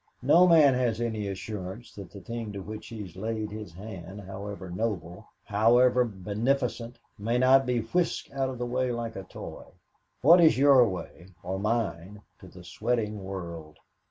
No man has any assurance that the thing to which he has laid his hand, however noble, however beneficent, may not be whisked out of the way like a toy. What is your way or mine to the sweating world?